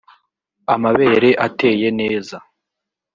amabere ateye neza